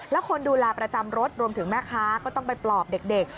แล้วคนดูแลประจำรถรวมถึงแม่ค้าก็ต้องไปปลอบเด็ก